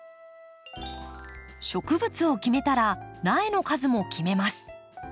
植物を決めたら苗の数も決めます。